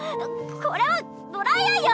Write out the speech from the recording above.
これはドライアイよ！